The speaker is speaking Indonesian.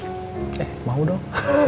eh mau dong